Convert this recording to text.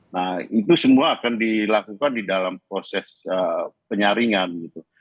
nah itu semua akan dilakukan di dalam proses penyaringan gitu